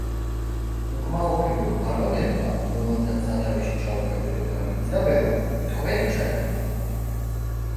უკმაყოფილო ბარონებმა, რომელთაც სათავეში ჩაუდგა დედოფალი იზაბელა, ტყვედ ჩაიგდეს.